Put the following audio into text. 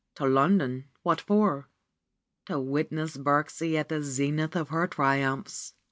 To London, what for? To witness Birksie at the zenith of her triumphs.